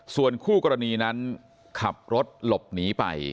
ส่วนคู่กรณีนั้นขับรถหลบหนีไป